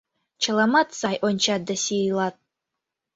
Чыламат сай ончат да сийлат.